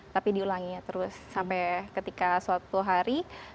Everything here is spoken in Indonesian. tapi diulangi terus sampai ketika suatu hari